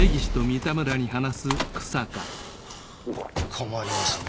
困りますね